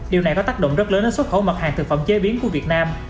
điều này có tác động rất lớn đến xuất khẩu mặt hàng thực phẩm chế biến của việt nam